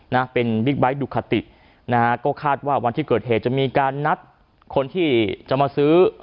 นะเป็นบิ๊กไบท์ดูคาตินะฮะก็คาดว่าวันที่เกิดเหตุจะมีการนัดคนที่จะมาซื้อ